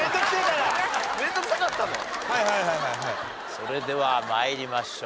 それでは参りましょう。